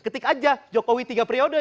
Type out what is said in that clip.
ketik aja jokowi tiga periode